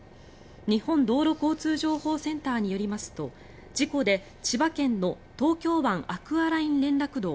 日本道路交通情報センターによりますと事故で千葉県の東京湾アクアライン連絡道